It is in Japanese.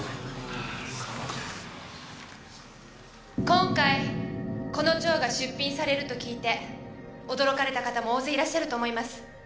今回この蝶が出品されると聞いて驚かれた方も大勢いらっしゃると思います。